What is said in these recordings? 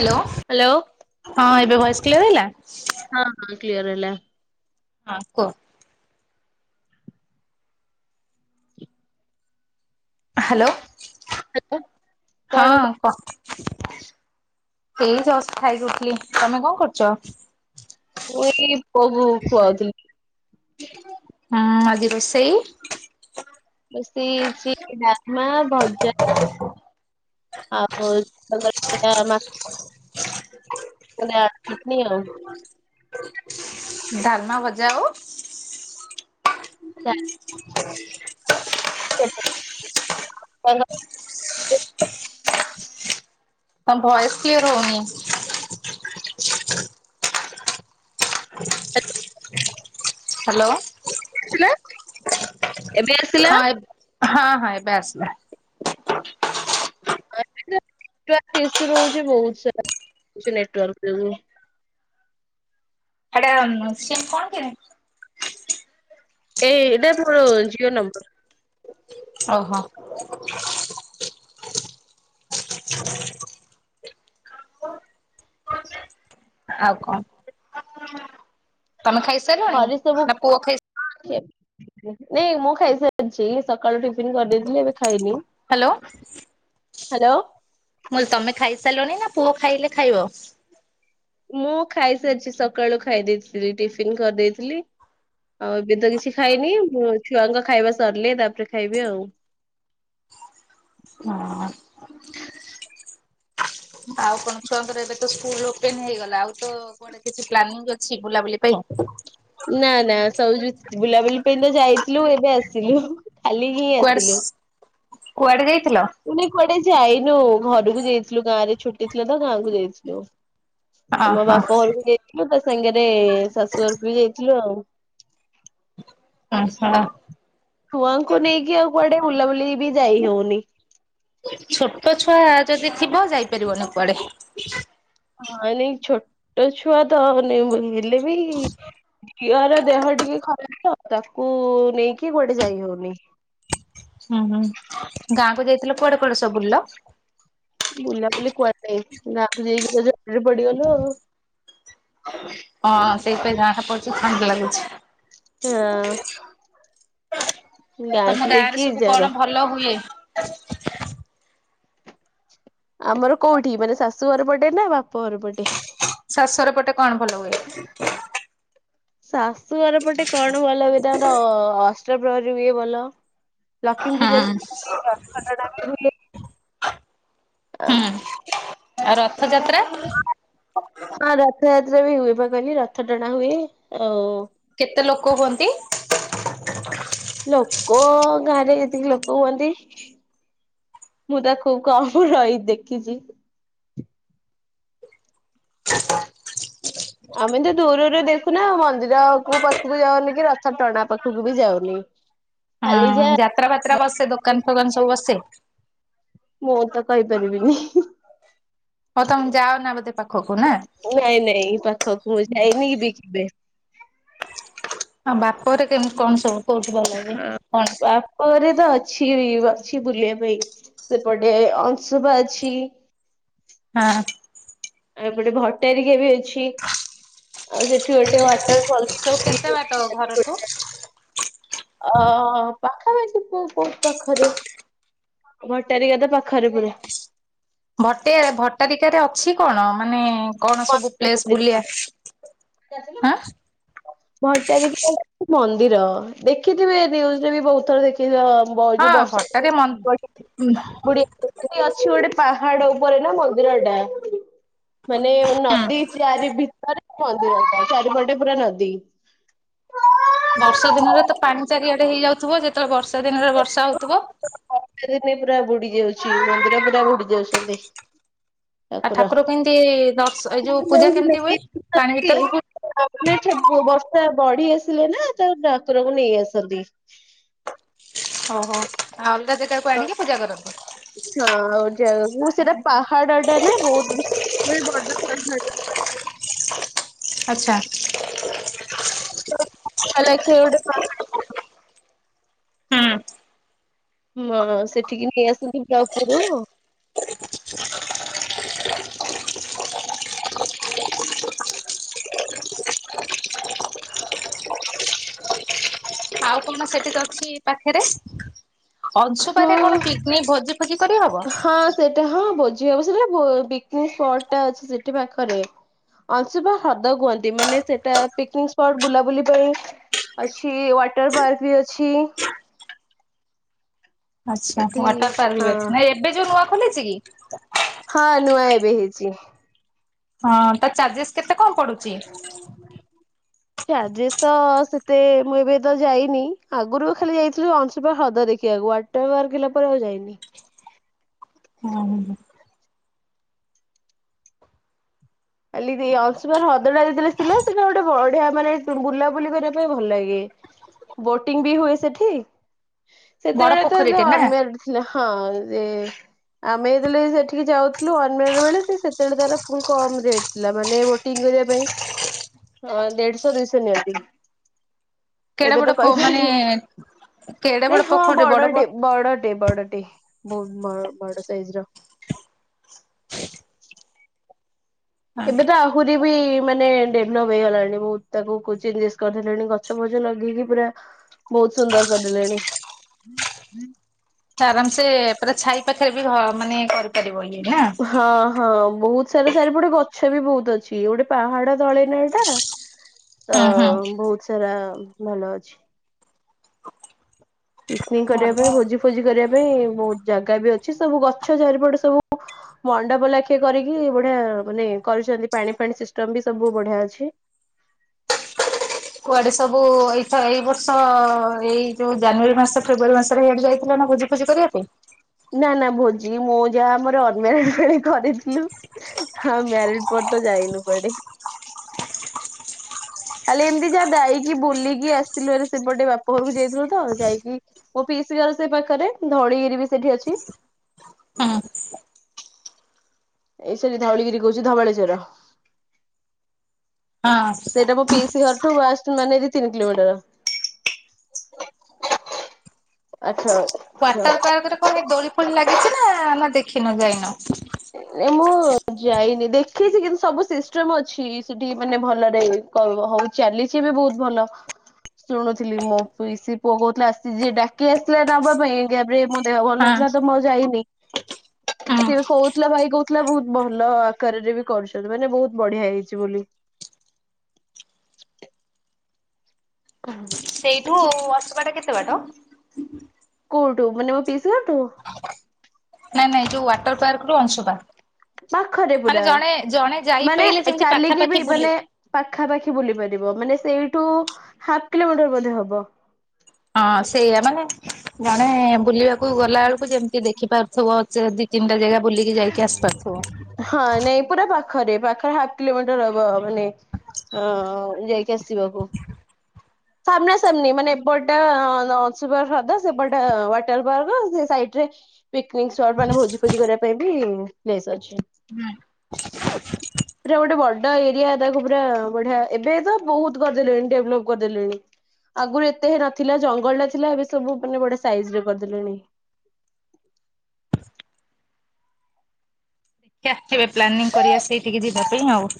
Hello ହଁ ଏବେ voice clear ହେଲା? ହଁ-ହଁ କ୍ଲିୟର ହେଲା। ହଁ କୁହ। ହ୍ୟାଲୋ। ହ୍ୟାଲୋ। ହଁ କହ। ଏଇ ଜଷ୍ଟ ଖାଇକି ଉଠିଲି ତମେ କଣ କରୁଛ? ମୁଁ ଏଇ ପୁଅ କୁ ଖୁଆଉଥିଲି। ହୁଁ ଆଜି ରୋଷେଇ ରୋଷଇ ହେଇଛି ଡାଲମା, ଭଜା ଆଉ [unintelligible] [unintelligible] ଆଉ ଧାନ ଭଜା ଆଉ। ୟା କେତେ [unintelligible] [unintelligible] ତମ ଭଏସ କ୍ଲିୟର ହଉନି। [unintelligible] ହ୍ୟାଲୋ। ଏବେ ଆସିଲା? ହଁ ଏବେ ହଁ ହଁ ଆସିଲା। ଅବିକା ନେଟୱର୍କ ଈସୁ ରହୁଛି ବହୁତ ସାରା ହୋଉଛି ନେଟୱର୍କ ପ୍ରୋବ୍ଲେମ। ସେଟା ସିମ କଣ କି? ଏଇଟା ମୋର ଜିଓ ନମ୍ବର। ଓହୋ। [inaudible] ଆଉ କଣ ତମେ ଖାଇସାରିଲଣି ଘରେ ସବୁ ନା ପୁଅ ଖାଇସା ନାଇଁ ମୁଁ ଖାଇସାରିଛି ସକାଳୁ ଟିଫନ୍ କରିଦେଇଥିଲି, ଏବେ ଖାଇନି। ହ୍ୟାଲୋ। ହ୍ୟାଲୋ। ମୁ ତମେ ଖାଇସାରିଲଣି ନା ପୁଅ ଖାଇଲେ ଖାଇବ। ମୁଁ ଖାଇସାରିଛି ସକାଳୁ ଖାଇ ଦେଇେଇଥିଲି ଟିଫିନ କରିଦେଇଥିଲି। ଆଉ ଏବେ ତ କିଛି ଖାଇନି ଛୁଆଙ୍କ ଖାଇବା ସରିଲେ ତାପରେ ଖାଇବି ଆଉ। [inaudible] ହଁ। ଆଉ କଣ ଛୁଆଙ୍କର ଏବେ ତ ସ୍କୁଲ ଓପେନ୍ ହେଇଗଲା ଆଉ ତ ଗୋଟେ କିଛି ପ୍ଲାନିଙ୍ଗ ଅଛି ବୁଲାବୁଲି ପାଇଁ ନା ନା ସବୁୁ ବୁଲାବୁଲି ପାଇଁ ତ ଯାଇ ଥିଲୁ ଏବେ ଆସୁଲୁ କାଲି ହିଁ ଆସୁଲୁ। କୁଆଡେ କୁଆଡେ ଯାଇ ମେ କୁଆଡେ ଯାଇନୁ ଘରକୁ ଯାଇଥିଲୁ ଗାଁ ରେ ଛୁଟି ଥିଲ ତ ଗାଁ କୁ ଯାଇଥିଲୁ। ଅ ଆମ ବାପା ହଁ। ଘରକୁ ଯାଇଥିଲୁ ତା ସାଙ୍ଗରେ ଶାଶୁ ଘରକୁ ବି ଯାଇଥିଲୁ ଆଉ। ହ [unintelligible] ଛୁଆଙ୍କୁ ନେଇକି ଆଉ କୁଆଡେ ବୁଲାବୁଲି ବି ଯାଇ ହଉନି ଛୋଟ ଛୁଆ ଯଦି ଥିବ ଯାଇପାରିବନ କୁଆଡେ। ହଁ ନାଇଁ ଛୋଟ ଛୁଆତ ଆଉ ନାଇ ମୁଁ ନି ମୁଁ। ହେଲେ ବି ଝିଅର ଦେହ ଟିକେ ଖରାପ ତ ତାକୁ ନେଇକି କୁଆଡେ ଯାଇ ହଉନି। ମୁଁ ଯାଇଥିଲ କୁଆଡେ କଣ ସବୁ ବୁଲିଲ? ବୁଲା ବୁଲି କୁଆଡେ ଯାଇନି ଗାଁକୁ ଯାଇକି ରଜ ହଁ ସେଇପାଇଁ ଯାହାଠା ପଡୁଛି ଥଣ୍ଡା ଲାଗୁଛି। ହଁ। ଗାଁକୁ ତମ ଗାଁ ରେ ଯାଇକି ସବୁ ଜର କଣ ଭଲ ହୁଏ? ଆମର କୋଉଠି ମାନେ ଶାଶୁ ଘର ପଟେ ନା ବାପା ଘର ପଟେ? ଶସର ପଟେ କଣ ଭଲ ହୁଏ? ଶାଶୁଘର ପଟେ କଣ ଭଲ ହୁଏ? ତାର ଅଷ୍ଟ ପ୍ରହରୀ ହୁଏ ଭଲ। ଲକ୍ଷ୍ମୀ ହୁଁ ପୂଜା ବି ହୁଅ ରଥ ଟଣା ବି ହୁଏ। ହୁଁ [unintelligible] ଆଉ ରଥଯାତ୍ରା? ହଁ ରଥଯାତ୍ରା ବି ହୁଏ ବା କହିଲି ରଥ ଟଣା ହୁଏ ଆଉ କେତେ ଲୋକ ହୁଅନ୍ତି? ଲୋକ ଗାଁରେ ଯେତିକି ଲୋକ ହୁହନ୍ତି ମୁଁ ତା ଖୁବ କମ ରହି ଦେଖିଛି। ଆମେ ତ ଦୂରରୁ ଦେଖୁନା ମନ୍ଦିର କୋଉ ପାଖକୁ ଯାଉନି କି ରଥ ଟଣା ପାଖକୁ ବି ଯାଉନି। ହ [unintelligible] ହଁ ଯାତ୍ରା ଫାତ୍ରା ବସେ ଦୋକାନ ଫୋକାନ ସବୁ ବସେ? ମୁଁ ତ କହିପାରିବିନି ହ୍ନି ହ୍ନି ହଉ ତମ ଯଅ ନା ବଧେ ନାଇଁ-ନାଇଁ ପାଖକୁ ମୁଁ ଯାଇନି। ବି ଆଉ ବାପ ଘରେ କେମତି କଣ ସବୁ? କୋଉଠି ଭଲ ଅ ହୁଏ ହ କଣ? ବାପଘରେ ଅଛି-ଅଛି ବୁଲିବା ପାଇଁ ସେପଟେ ଅଂଶୁପା ଅଛି। ହଁ। ଆଉ ଏପଟେ ଭଟାରିକା ବି ଅଛି, ଆଉ ସେଠି ଗୋଟେ ୱାଟରଫଲ କେତେ ବାଟ ଘରଠୁ? ହଁ ପାଖାପାଖି କୋଉକୋଉ ପାଖରେ ଭଟାରିକା ତ ପାଖରେ ପୁରା। ଭଟେ ଭଟାରିକାରେ ଅଛି କଣ ମାନେ କଣ ସବୁ ପ୍ଲେସ ବୁଲିଆ ଆଁ। ଭଟରିକା ମନ୍ଦିର ଦେଖିଥିବେ ନ୍ୟୁଜରେ ବି ବହୁତ ଥର ଦେଖିି ବଉ ହଁ ଭଟ୍ଟାରେ ମନ୍ ହୁଁ [unintelligible] ଅଛି ଗୋଟେ ପାହାଡ ଉପରେ ନା ମନ୍ଦିର ଟା। ମାନେ ନଦୀ ଚାରି ଭିତରେ ମନ୍ଦିର ଚାରି ପଟେ ପୁରା ନଦୀ। ବର୍ଷା ଦିନରେ ତ ପାଣି ଚାରିଆଡେ ହେଇଯାଉଥିବ। ଯେତେବେଳେ ବର୍ଷା ଦିନରେ ବର୍ଷା ହଉଥିବ। ବର୍ଷା ଦିନେ ପୁରା ବୁଡି ଯାଉଛି ମନ୍ଦିର ପୁରା ବୁଡି ଯାଉଛନ୍ତି। ଆଉ ଠାକୁର କେମିତି ଦର୍ଶ ଏଇ ଯୋଉ ପୂଜା କେମିତି ହୁଏ ପାଣି ଭିତରେ? [unintelligible] ବର୍ଷା ବଢି ଆସିଲେ ନା ତାପରେ ଠାକୁରଙ୍କୁ ନେଇ ଆସନ୍ତି। ଓ ହୋ ଆଉ ଅଲଗା ଜାଗାକୁ ଆଣିକି ପୂଜା କରନ୍ତି। ଉ ସେଟା ପାହାଡଟା ନା ବହୁତ ମାନେ ବଡ ପାହାଡଟା। ଆଚ୍ଛା। [unintelligible] ହଁ ସେଠିକି ନେଇ ଆସନ୍ତି ପୁରା ଉପୋରୁ। ହୁଁ [inaudible] ଆଉ କଣ ସେଠି ଅଛି ପାଖରେ? ଅଂଶୁପା ରେ ହଁ। କଣ ପିକନିକ ଭୋଜି ଫୋଜି କରି ହବ। ଟା ହଁ ଭୋଜି ହବ। ସେ କା ପିକନିକ ସ୍ପଟା ଅଛି ସେଠି ପାଖରେ। ଅଂଶୁପା ହ୍ରଦ କୁହନ୍ତି, ମାନେ ସେଟା ପିକନିକ ସ୍ପଟ୍ ବୁଲାବୁଲି ପାଇଁ ଅଛି ୱାଟର ପାର୍କ ବି ଅଛି। ଆଚ୍ଛା ଏଠି ୱାଟର ପାର୍କ ହଁ ବି ଅଛି ନାଇଁ ଏବେ ଯୋଉ ନୂଆ ଖୋଲିଛି କି। ହଁ ନୂଆ ଏବେ ହେଇଛି। ହଁ ତା ଚାର୍ଜେସ୍ କେତେ କଣ ପଡୁଛି? ଚାର୍ଜିସ୍ ତ ସେତେ ମୁଁ ଏବେ ତ ଯାଇନି, ଆଗରୁ ଖାଲି ଯାଇଥିଲୁ ଅଂଶୁପା ହ୍ରଦ। ଦେଖିବାକୁ ୱାଟର ପାର୍କ ହେଲା ପରେ ଆଉ ଯାଇନି। ହଁ। ଖାଲି ଅଂଶୁପା ହ୍ରଦ ଟା ଯେତେବେଳ ଥିଲା, ସେଇଟା ଗୋଟେ ବଢିଆ ମାନେ ବୁଲାବୁଲି କରିବା ପାଇଁ ଭଲ ଲାଗେ। ବୋଟିଂ ବି ହୁଏ ସେଠି, ବଡ ସେତେବେଳେ ତ ଯେ ପୋଖରୀଟେ ନା ଅନମ୍ୟରେଡ ଥିଲା ହଁ। ସେ ଆମେ ଯେତେବେଳେ ସେଠିକି ଯାଉଥିଲୁ ଅନ୍ ମ୍ୟରେଡ ବେଳେ ସେ ସେତେବେଳେ ତାର ଫୁଲ କମ ରେଟ୍। ଥିଲା ମାନେ ବୋଟିଂ କରିବା ପାଇଁ ଅ ଦେଢଶହ ଦୁଇଶହ ନିଅନ୍ତି। କେଡେ ଏବେ ବଡ ତ ପୋ ମାନେ କହିପାରି କେଡେ ବଡ ନାଇଁ ହଁ ପୋଖରୀଟେ ବଡ ପୋ ବଡଟେ ବଡଟେ ବଡଟେ। ବହୁତ ବ-ବଡ ସାଇଜର। ହଁ ଏବେ ତ ଆହୁରି ଏବେବି ମାନେ ଡେଭଲପ ହେଇଗଲାଣି ବହୁତ ତାକୁ ଚେଞ୍ଜେସ କରିଦେଲେଣି ଗଛ ଫଛ ଲଗେଇକି ପୁରା। ବହୁତ ସୁନ୍ଦର କରିଦେଲେଣି। ଆରାମ ସେ ପୁରା ଛାଇ ପାଖରେ ବି ହ ମାନେ କରିପାରିବ ଇଏନା। ହଁ ହଁ ବହୁତ ସାରା ଚାରି ପୋଟେ ଗଛ ବି ବହୁତ ଅଛି। ଗୋଟେ ପାହାଡ ତଳେ ନାଇ ତାର। ତ ହୁଁ ହୁଁ। ବହୁତ ସାରା ଭଲ ଅଛି। ପିକନିକ କରିବା ଭଲ। ପାଇଁ ଭୋଜି ଫୋଜି କରିବା ପା ପାଇଁ ବହୁତ ଜାଗା ବି ଅଛି ସବୁ ଗଛ ଚାରିପଟେ ସବୁ ମଣ୍ଡପ ଲାଖେ କରିକି ବଢିଆ ମାନେ କରୁଛନ୍ତି ପାଣି ପାଣି ସିଷ୍ଟମ ବି ସବୁ ବଢିଆ ଅଛି। କୁଆଡେ ସବୁ ଏଇଥ ଏଇ ବର୍ଷ ଏଇ ଯୋଉ ଜାନୁୟାରୀ ମାସ ଫେବୁୟାରୀ ମାସରେ ହିଆଡ଼େ ଯାଇଥିଲନା ଭୋଜି ଫୋଜି କରିବା ପାଇଁ? ନା ନା ଭୋଜି ମୁଁ ଯାହା ଆମର ଅନମ୍ୟାରେଡ ବେଳେ କରିଥିଲି ମ୍ୟାରେଡ ପରେ ତ ଯାଇନି। ଯାଇନୁ କୁଆଡେ ଖାଲି ଏମିତି ଯାହା ଯାଇକି ବୁଲିକି ଆସିଥିଲୁ ହାରି ସେପଟେ ବାପା ଘରକୁ ଯାଇଥିଲୁ ତ ଯାଇକି ପିସିଘର ସେ ପାଖରେ ଧଉଳିଗିରି ବି ସେଠି ଅଛି। ହଁ ଏଇ ସରି ଧାଉଳିଗିରି କହୁଛି ଧବଳେଶ୍ୱର। ହଁ ଟ ମାନେ ଏଇଦି ତିନି କିଲୋମିଟର। ଆଚ୍ଛା ଆଚ୍ଛା। ୱାଟର ପାର୍କରେ କଣ ହେ ଦୋଳି ଫୋଳି ଲାଗିଛି ନା ନା ଦେଖିନ ଯାଇନ ଏ ମୁଁ ଯାଇନି ଦେଖିଛି କିନ୍ତୁ ସବୁ ସିଷ୍ଟମ ଅଛି ସେଠି ମାନେ ଭଲରେ କ ହଉ ଚାଲିଛି ବି ବହୁତ ଭଲ। ଶୁଣୁଥିଲି ମୋ ପିଇସି ପୁଅ କହୁଥିଲା ଆସି ଯିଏ ଡାକି ଆସିଥିଲା ନବା ପାଇଁ [unintelligible] ମୋ ଦେହ ହଁ ଭଲନଥିଲା ତ ମଁ ଯାଇନି ହୁଁ ସିଏ କହୁ କହୁଥିଲା ଭାଇ କହୁଥିଲା ବହୁତ ଭଲ ଆକାରରେ ବି କରୁଛନ୍ତି ମାନେ ବହୁତ ବଢିଆ ହେଇଛି ବୋଲି। [inaudible] ସେଇଠୁ ଅସିବାଟା କେତେ ବାଟ। କଉଠୁ ମାନେ ମ ପିଇସି ଘରଠୁ ନାଇଁ ନାଇଁ ଯୋଉ ୱାଟର ପାର୍କରୁ ଅଂଶୁପା। ପାଖରେ ମାନେ ପୁରା। ଜଣେ ଜଣେ ମାନେ ଯାଇପାଇଲେ ଯେମିତି ଚାଲିକି ପାଖାପାଖି ବି ବୁଲି ମାନେ ପାଖାପାଖି ବୁଲି ପାରିବ ମାନେ ସେଇ ଟୁ ହାଫ କିଲୋମିଟର ବୋଧେ ହବ। ହଁ ସେଇଆ ମାନେ ଜଣେ ବୁଲିବାକୁ ଗଲା ବେଳକୁ ଯେମିତି ଦେଖିପାରୁଥିବ। ସେ ଦି ନିଟା ଜାଗା ବୁଲିକି ଯାଇକି ଆସି ପାରୁଥିବ। ହଁ ନାଇଁ ପୁରା ପାଖରେ ପାଖ ହାଫ କିଲୋମିଟର ହବ ମାନେ ଅ ଯାଇକି ଆସିବାକୁ। ସାମ୍ନା ସାମ୍ନି ମାନେ ଏପଟଟା ଅ-ଅଂଶୁପା ହ୍ରଦ ସେପଟଟା ୱାଟର ପାର୍କ ସେ ସାଇଟ୍ ରେ ପିକନିକ୍ ସ୍ପଟ୍ ମାନେ ଭୋଜି ଫୋଜି କରିବା ପାଇଁ ବି ପ୍ଲେସ ଅଛି। ହୁଁ ପୁରା ଗୋଟେ ବଡ ଏରିଆ ତାକୁ ପୁରା ବଢିଆ ଏବେ ତ ବହୁତ କରିଦେଲେଣି ଡେଭଲପ କରିଦେଲେଣି। ଆଗରୁ ଏତେ ନଥିଲା ଜଙ୍ଗଲ ଟା ଥିଲା ଏବେ ସବୁ ମାନେ ବଡେ ସାଇଜ ରେ କରିଦେଲେଣି। [inaudible] ଟିକେ ଆସିବେ ପ୍ଲାନିଂ କରିବା ସେଇଠିକି ଯିବା ପାଇଁ ଆଉ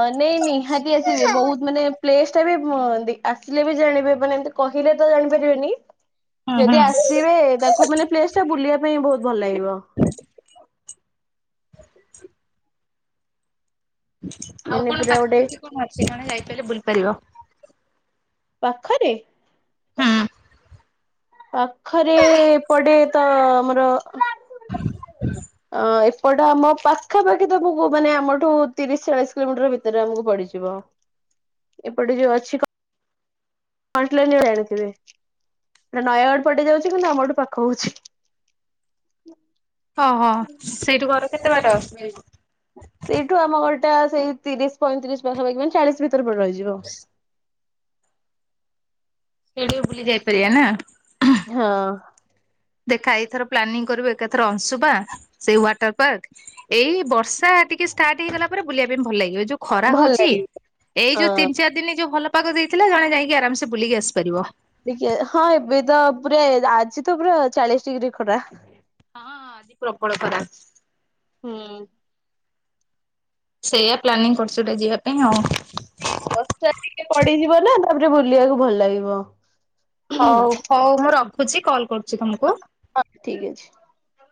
ଅ ନାଇଁ ନିହାତି ଆସିବେ ବହୁତ ମାନେ ପ୍ଲେସ୍ ଟା ବି ଆସିଲେ ବି ଜାଣିବେ ମାନେ କହିଲେ ତ ଜାଣିପାରିବେନି ହୁଁ ହୁଁ ଯଦି ଆସିବେ ତାକୁ ମାନେ ପ୍ଲେସ୍ ଟା ବୁଲିବା ପାଇଁ ବହୁତ ଭଲ ଲାଗିବ। [inaudible] ଆଉ ମାନେ କଣ ପୁରା ଗୋଟେ ପାଖାପାଖି କଣ ଅଛି କଣ ଯାଇପାରିଲେ ବୁଲି ପାରିବ। ପାଖରେ ହୁଁ ପାଖରେ ଏପଟେ ତ ଆମର [inaudible] ଆଁସ ପଟେ ଆମ ପାଖାପାଖି ତମକୁ ମାନେ ଆମଠୁ ତିରିଶ ଚାଳିଶ କିଲୋମିଟର ଭିତରେ ଆମକୁ ପଡିଯିବ। ଏପଟେ ଯଉ ଅଛି କ ଫଣ୍ଟଲନ ରେ ଆଣିଥିବେ ଏପଟେ ନୟାଗଡ଼ ପଟେ ଯାଉଛି କିନ୍ତୁ ଆମଠୁ ପାଖ ହଉଛି। ଉଁ। ଓହୋ ସେଇଠୁ ଘର କେତେ ବାଟ ମେବି? ସେଇଠୁ ଆମ ଘରଟା ସେଇ ତିରିଶ ପଇଁତିରିଶ ପାଖାପାଖି ମାନେ ଚାଳିଶ ଭିତ ଭିତରେ ରହିଯିବ। ସେଇଠିକି ବୁଲି ଯାଇପାରିବା ନା। ହଁ। ଦେଖା ଏଇଥର ପ୍ଲାନିଂ କରିବୁ ଏକାଥର ଅଂଶୁବା ସେଇ ୱାଟର ପାର୍କ ଏଇ ବ ର୍ଷା ଟିକେ ଷ୍ଟାର୍ଟ ହେଇଗଲା ପରେ ବୁଲିବା ପାଇଁ ଭଲ ଲାଗିବ। ଯୋଉ ଖରା ଭଲ ହଉଛି ଲାଗିବ ଏଇ ଯୋଉ ହଁ। ତିନି ଚାରି ଦିନି ଯୋଉ ଭଲ ପାଗ ଦେଇଥିଲା ଜଣେ ଯାଇକ ଆରମସେ ବୁଲିକି ଆସିପାରିବ। ଟିକେ ହଁ ଏବେ ତ ପୁରା ଆଜି ତ ପୁରା ଚାଳିଶ ଡିଗ୍ରୀ ଖରା। ହଁ ଆଜିି ପ୍ରବଳ ଖରା। [inaudible] ହୁଁ ସେଇୟା ପ୍ଲାନିଂ କରୁଛଟା ଯିବା ପାଇଁ ଆଉ। ବର୍ଷା ଟିକେ ପଡିଯିବ ନା ତାପରେ ବୁଲିବାକୁ ଭଲ ଲାଗିବ। ହଁ ହଉ ହଉ ମୁଁ ରଖୁଛି କଲ କରୁଛି ତମକୁ। ଠିକ ଅଛି। [inaudible]